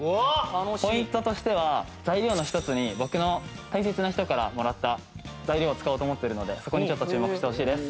ポイントとしては材料の一つに僕の大切な人からもらった材料を使おうと思ってるのでそこにちょっと注目してほしいです。